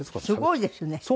すごいですね。